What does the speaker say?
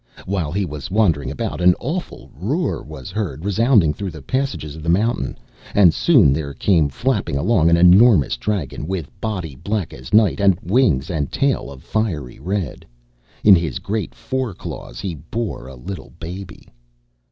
While he was wandering about, an awful roar was heard resounding through the passages of the mountain, and soon there came flapping along an enormous dragon, with body black as night, and wings and tail of fiery red. In his great fore claws he bore a little baby.